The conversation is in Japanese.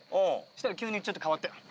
したら急にちょっと変わって。